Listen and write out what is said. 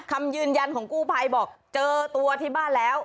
คำยืนยันของกู้ภัยบอกเจอตัวที่บ้านแล้ว